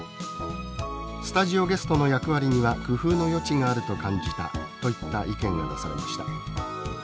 「スタジオゲストの役割には工夫の余地があると感じた」といった意見が出されました。